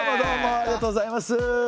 ありがとうございます。